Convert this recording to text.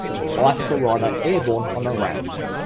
Bicycle rider airborne on a ramp